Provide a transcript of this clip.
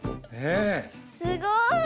すごい。